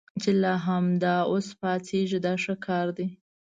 چې له همدا اوس پاڅېږئ دا ښه کار دی.